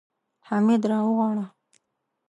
حميد راوغواړه.